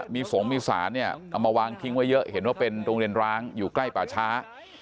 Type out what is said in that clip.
มีสงฆ์มีสารเนี่ยเอามาวางทิ้งไว้เยอะเห็นว่าเป็นโรงเรียนร้างอยู่ใกล้ป่าช้า